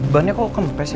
bahannya kok kempes ya